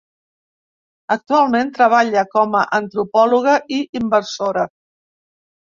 Actualment, treballa com a antropòloga i inversora.